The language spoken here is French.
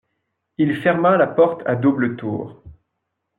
Il ferma la porte à double tour.